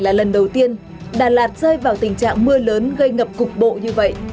đã lần đầu tiên đà lạt rơi vào tình trạng mưa lớn gây ngập cục bộ như vậy